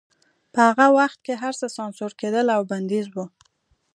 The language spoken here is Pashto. په هغه وخت کې هرڅه سانسور کېدل او بندیز و